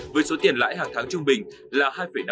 với số tiền lãi hàng tháng trung bình là hai ba